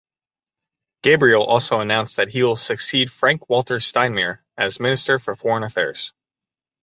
Gabriel also announced that he will succeed Frank-Walter Steinmeier as Minister for Foreign Affairs.